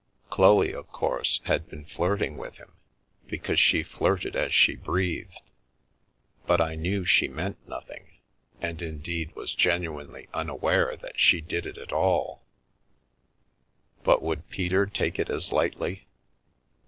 Chloe, of course, had been flirting with him, because she flirted as she breathed, but I knew she meant nothing — and, indeed, was genuinely unaware that she did it at all — but would Peter take it as lightly?